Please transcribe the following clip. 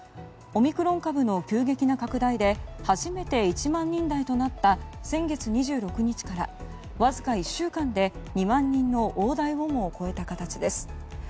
オミクロン株の急激な拡大で初めて１万人台となった先月２６日からわずか１週間で２万人の大台をも超えた形です。